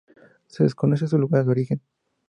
Se desconoce su lugar de origen.